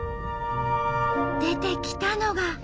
出てきたのが。